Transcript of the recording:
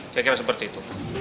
saya kira seperti itu